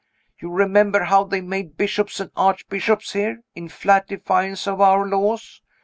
You remember how they made Bishops and Archbishops here, in flat defiance of our laws?